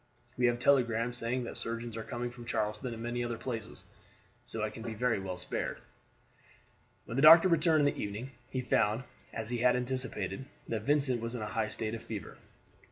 We have telegrams saying that surgeons are coming from Charleston and many other places, so I can very well be spared." When the doctor returned in the evening, he found, as he had anticipated, that Vincent was in a high state of fever.